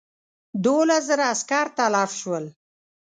دوولس زره عسکر تلف شول.